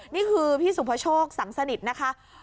นี่คือพี่สุภโชคสังสนิทนะคะ